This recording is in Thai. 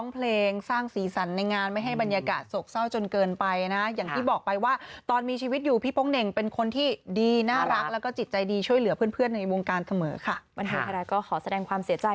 เพื่อเริ่มยุ่งขอบคุณว่าศิลปินตลก